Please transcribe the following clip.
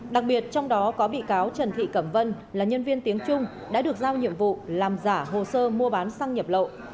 đặc biệt trong đó có bị cáo trần thị cẩm vân là nhân viên tiếng trung đã được giao nhiệm vụ làm giả hồ sơ mua bán xăng nhập lậu